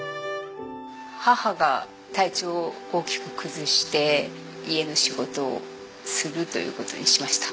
母が体調を大きく崩して家の仕事を継ぐという事にしました。